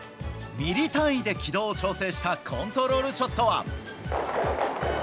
ミリ単位で軌道を調整したコントロールショットは。